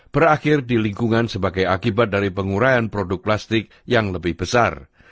berakhir di lingkungan sebagai akibat dari penguraian produk plastik yang lebih besar